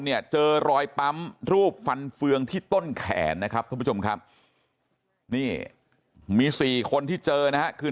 เนี่ยเจอรอยปั๊มรูปฟันเฟืองที่ต้นแขนนะครับท่านผู้ชมครับนี่มีสี่คนที่เจอนะฮะคือ